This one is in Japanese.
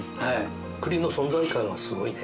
栗の存在感がすごいね。